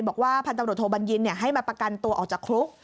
บอกว่าพันตำรวจโทบันยินเนี่ยให้มาประกันตัวออกจากคลุก